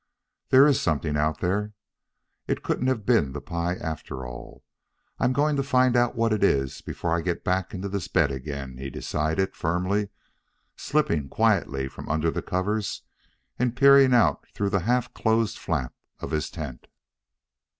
"There is something out there. It couldn't have been the pie after all. I'm going to find out what it is before I get back into this bed again," he decided firmly, slipping quietly from under the covers and peering out through the half closed flap of his tent.